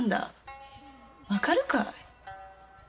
わかるかい？